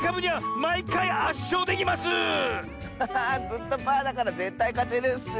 ずっとパーだからぜったいかてるッス！